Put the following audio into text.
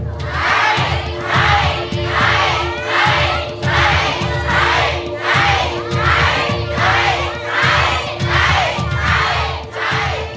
ใช้